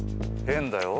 変だよ？